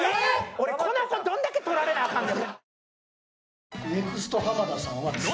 俺この子どんだけ取られなアカンねん！